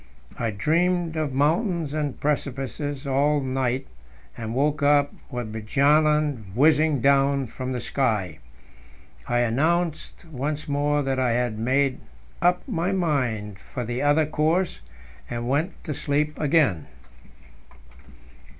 I dreamed of mountains and precipices all night, and woke up with Bjaaland whizzing down from the sky. I announced once more that I had made up my mind for the other course, and went to sleep again.